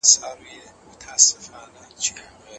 زوی به هلته هم ساعت خرڅ نه کړي.